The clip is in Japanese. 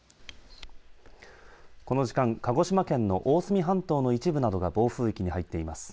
この時間、鹿児島県の大隅半島の一部などが暴風域に入っています。